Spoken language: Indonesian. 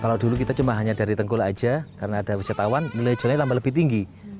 kalau dulu kita cuma hanya dari tengkul aja karena ada wisatawan nilai jualnya tambah lebih tinggi